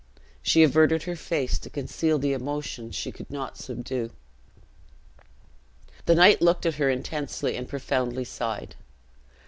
She averted her face, to conceal the emotions she could not subdue. The knight looked at her intensely, and profoundly sighed.